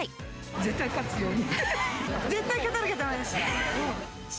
絶対勝つように。